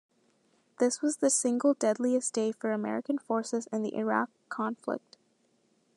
This was the single deadliest day for American forces in the Iraq conflict.